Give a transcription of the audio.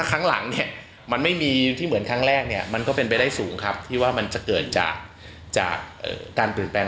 ครั้งหลังเนี่ยมันไม่มีที่เหมือนครั้งแรกเนี่ยมันก็เป็นไปได้สูงครับที่ว่ามันจะเกิดจากการเปลี่ยนแปลง